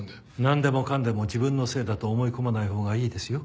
なんでもかんでも自分のせいだと思い込まないほうがいいですよ。